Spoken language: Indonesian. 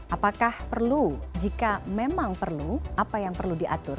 apakah perlu jika memang perlu apa yang perlu diatur